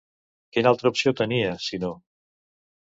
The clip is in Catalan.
Quina altra opció tenia, si no?